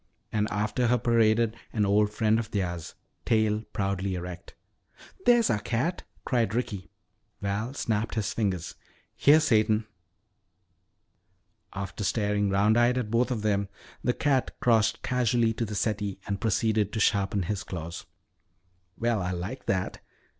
And after her paraded an old friend of theirs, tail proudly erect. "There's our cat!" cried Ricky. Val snapped his fingers. "Here, Satan." After staring round eyed at both of them, the cat crossed casually to the settee and proceeded to sharpen his claws. "Well, I like that!